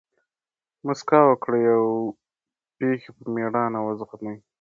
مسکا وکړئ! او پېښي په مېړانه وزغمئ!